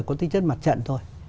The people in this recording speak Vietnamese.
có tinh chất mặt trận thôi